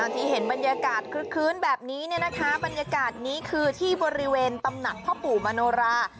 ที่เห็นบรรยากาศคึ้นแบบนี้บรรยากาศนี้คือที่บริเวณตำหนักพ่อปู่มโนรา